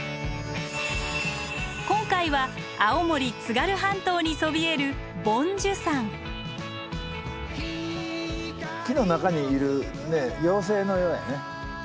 今回は青森津軽半島にそびえる木の中にいる妖精のようだね。